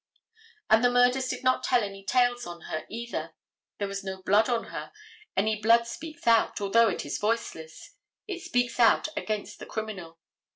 And the murders did not tell any tales on her either. There was no blood on her, and blood speaks out, although it is voiceless; it speaks out against the criminal.